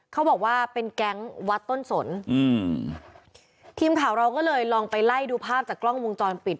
เขาบอกว่าเป็นแก๊งวัดต้นสนอืมทีมข่าวเราก็เลยลองไปไล่ดูภาพจากกล้องวงจรปิด